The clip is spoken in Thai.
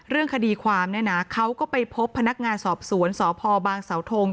เรื่องคดีความเนี่ยนะเขาก็ไปพบพนักงานสอบสวนสพบางสาวทง